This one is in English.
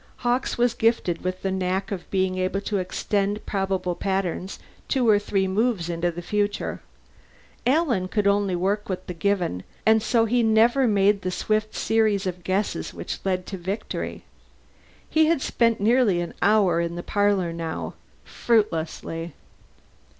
Hawkes was gifted with the knack of being able to extend probable patterns two or three moves into the future; Alan could only work with the given, and so he never made the swift series of guesses which led to victory. He had spent nearly an hour in the parlor now, fruitlessly.